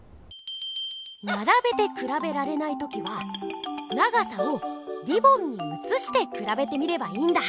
ならべてくらべられない時は長さをリボンにうつしてくらべてみればいいんだ。